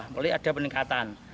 mulai ada peningkatan